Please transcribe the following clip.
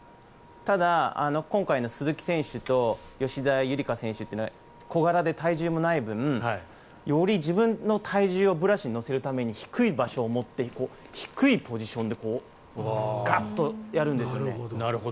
ただ、今回の鈴木選手と吉田夕梨花選手というのは小柄で体重もない分より自分の体重をブラシに乗せるために低い場所を持って低いポジションでガッとやるんです。